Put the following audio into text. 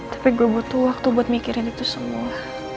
tapi gue butuh waktu buat mikirin itu semua